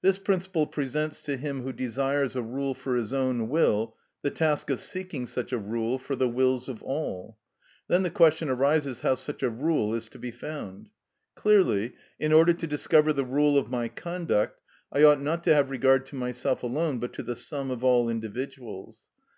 This principle presents to him who desires a rule for his own will the task of seeking such a rule for the wills of all. Then the question arises how such a rule is to be found. Clearly, in order to discover the rule of my conduct, I ought not to have regard to myself alone, but to the sum of all individuals.